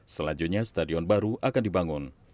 selanjutnya stadion baru akan dibangun